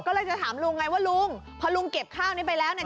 ก็เลยจะถามลุงไงว่าลุงพอลุงเก็บข้าวนี้ไปแล้วเนี่ย